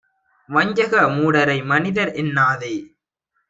வஞ்சக மூடரை மனிதர் என்னாதே!